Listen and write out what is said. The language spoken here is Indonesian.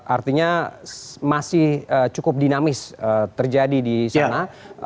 artinya masih cukup dinamis terjadi di sana